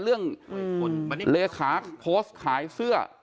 เรื่องเลขาโพสต์ขายเสื้อ